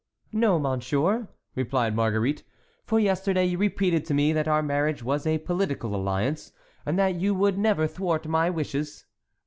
"No, Monsieur," replied Marguerite; "for yesterday you repeated to me that our marriage was a political alliance, and that you would never thwart my wishes."